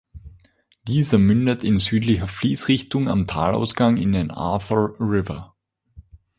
Dieser mündet in südlicher Fließrichtung am Talausgang in den Arthur River.